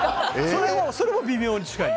それも微妙に近い。